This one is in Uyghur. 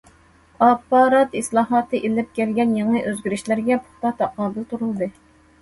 ئاپپارات ئىسلاھاتى ئېلىپ كەلگەن يېڭى ئۆزگىرىشلەرگە پۇختا تاقابىل تۇرۇلدى.